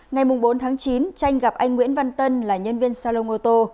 ngày bốn tháng chín tranh gặp anh nguyễn văn tân là nhân viên xe lông ô tô